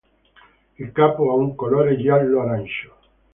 Il capo ha un colore giallo-arancio.